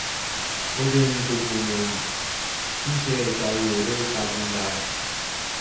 모든 국민은 신체의 자유를 가진다.